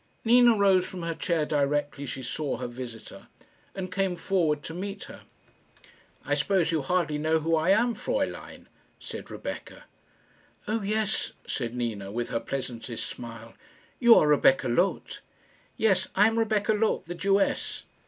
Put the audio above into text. Nina rose from her chair directly she saw her visitor, and came forward to meet her. "I suppose you hardly know who I am, Fraeulein?" said Rebecca. "Oh, yes," said Nina, with her pleasantest smile; "you are Rebecca Loth." "Yes, I am Rebecca Loth, the Jewess."